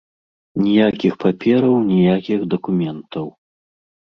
Ніякіх папераў, ніякіх дакументаў.